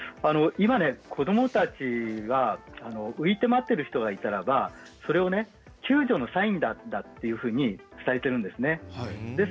今、子どもたちには浮いて待っている人がいたらそれを救助のサインだと伝えているんです。